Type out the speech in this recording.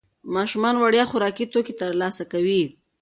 ماشومان وړیا خوراکي توکي ترلاسه کوي.